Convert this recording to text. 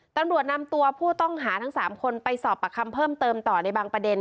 ตำรวจนำตัวผู้ต้องหาทั้ง๓คนไปสอบประคำเพิ่มเติมต่อในบางประเด็น